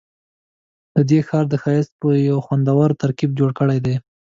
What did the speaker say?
ددې ښار د ښایست یو خوندور ترکیب جوړ کړی دی.